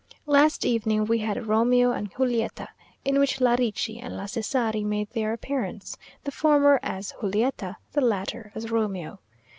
Last evening we had Romeo and Giulietta, in which La Ricci and La Cesari made their appearance, the former as Giulietta, the latter as Romeo.